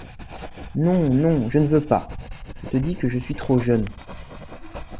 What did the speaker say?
Non, non, je ne veux pas ! je te dis que je suis trop jeune…